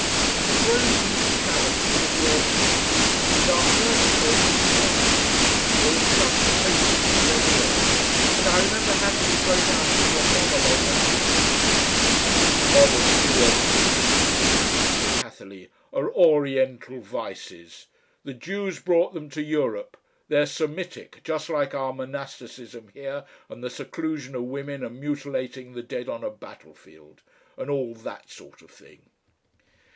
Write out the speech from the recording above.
We rose to his challenge a little awkwardly and our first talk was clumsy, there were flushed faces and red ears, and I remember Hatherleigh broke out into a monologue on decency. "Modesty and Decency," said Hatherleigh, "are Oriental vices. The Jews brought them to Europe. They're Semitic, just like our monasticism here and the seclusion of women and mutilating the dead on a battlefield. And all that sort of thing."